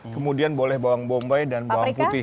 kemudian boleh bawang bombay dan bawang putih